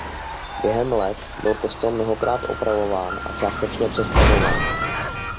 Během let byl kostel mnohokrát opravován a částečně přestavován.